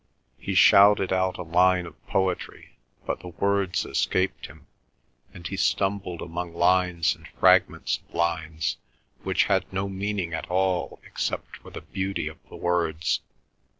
He shouted out a line of poetry, but the words escaped him, and he stumbled among lines and fragments of lines which had no meaning at all except for the beauty of the words.